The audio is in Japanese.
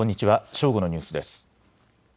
正午のニュースです。